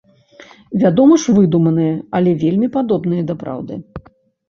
Вядома ж, выдуманыя, але вельмі падобныя да праўды.